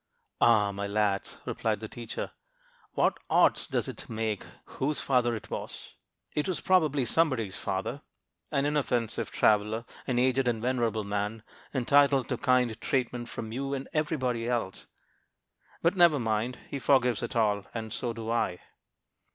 "Ah, my lads," replied the teacher, "what odds does it make whose father it was? It was probably somebody's father, an inoffensive traveler, an aged and venerable man, entitled to kind treatment from you and everybody else. But never mind; he forgives it all, and so do I."